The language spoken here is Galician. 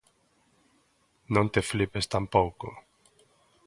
Non te flipes tampouco.